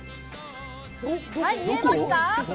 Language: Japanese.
見えますか？